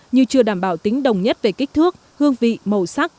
như chưa đảm bảo tính đồng nhất về kích thước hương vị màu sắc